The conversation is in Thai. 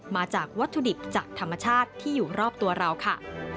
มาจากวัตถุดิบจากธรรมชาติที่อยู่รอบตัวเราค่ะ